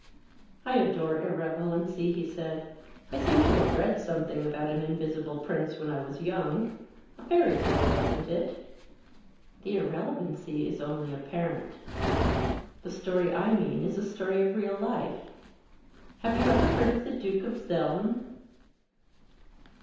"I adore irrelevancy," said he. "I seem to have read something about an invisible prince, when I was young. A fairy tale, wasn't it?" "The irrelevancy is only apparent. The story I mean is a story of real life. Have you ever heard of the Duke of Zeln?"